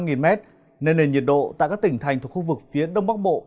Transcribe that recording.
nên nền nhiệt độ tại các tỉnh thành thuộc khu vực phía đông bắc bộ